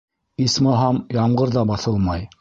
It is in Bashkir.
Исмаһам, ямғыр ҙа баҫылмай.